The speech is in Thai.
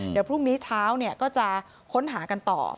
เดี๋ยวพรุ่งนี้เช้าก็จะค้นหากันต่อ